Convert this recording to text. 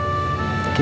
kan udah bahagia oke